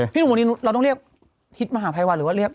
หนุ่มวันนี้เราต้องเรียกทิศมหาภัยวันหรือว่าเรียก